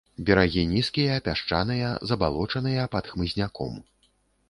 Берагі нізкія, пясчаныя, забалочаныя, пад хмызняком.